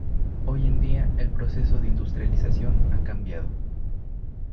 Hoy en día, el proceso de industrialización ha cambiado.